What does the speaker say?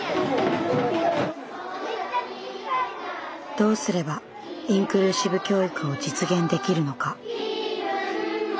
どうすれば「インクルーシブ教育」を実現できるのか。